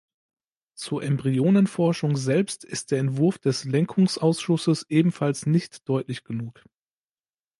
Zur Embryonenforschung selbst ist der Entwurf des Lenkungsausschusses ebenfalls nicht deutlich genug.